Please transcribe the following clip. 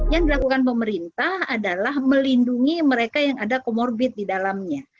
yang dilakukan pemerintah adalah melindungi mereka yang ada comorbid di dalamnya